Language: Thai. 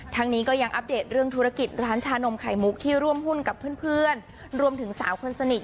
นี้ก็ยังอัปเดตเรื่องธุรกิจร้านชานมไข่มุกที่ร่วมหุ้นกับเพื่อนรวมถึงสาวคนสนิท